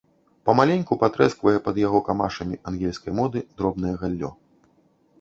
Памаленьку патрэсквае пад яго камашамі, ангельскай моды, дробнае галлё.